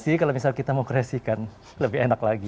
sih kalau misalnya kita mau kreasikan lebih enak lagi